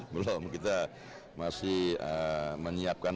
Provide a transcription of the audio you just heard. belum kita masih menyiapkan